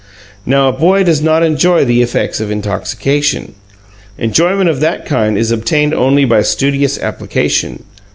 Now a boy does not enjoy the effects of intoxication; enjoyment of that kind is obtained only by studious application.